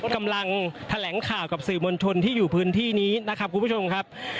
กำลังแถลงข่าวกับสื่อมวลชนที่อยู่พื้นที่นี้นะครับคุณผู้ชมครับ